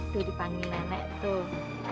tuh dipanggil nenek tuh